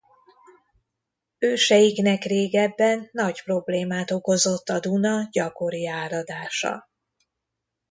Őseiknek régebben nagy problémát okozott a Duna gyakori áradása.